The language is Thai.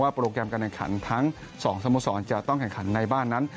โปรแกรมการแข่งขันทั้ง๒สโมสรจะต้องแข่งขันในบ้านนั้น